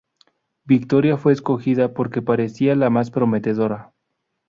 Victoria fue escogida porque parecía la más prometedora.